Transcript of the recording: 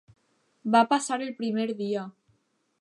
Va passar el primer dia.